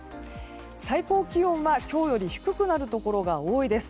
最高気温は、今日より低くなるところが多いです。